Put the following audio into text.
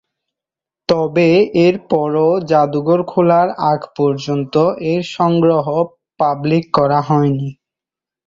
তবে এরপরও জাদুঘর খোলার আগ পর্যন্ত এর সংগ্রহ পাবলিক করা হয়নি।